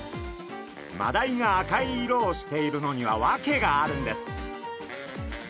マダイが赤い色をしているのには訳があるんです。